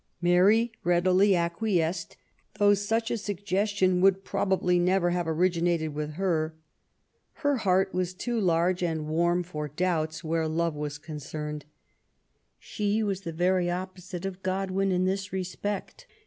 Mary readily acquiesced, though such a suggestion would probably never have originated with her. Her heart was too large and warm for doubts, where love was concerned. She was the very opposite of Godwin in this respect.